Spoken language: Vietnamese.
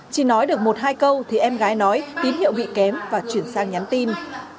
chỉ nói được một hai câu thì em gái nói tín hiệu bị kém và chuyển sang nhắn tin